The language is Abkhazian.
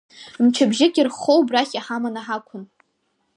Мчыбжьык ирххо убрахь иҳаманы ҳақәын.